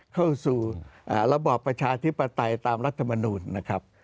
เข้าสู่ระบอบประชาธิปไตยตามรัฐมนูลนะครับ